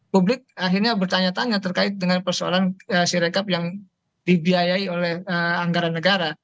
publik akhirnya bertanya tanya terkait dengan persoalan sirekap yang dibiayai oleh anggaran negara